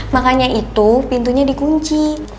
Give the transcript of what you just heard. makanya itu pintunya dikunci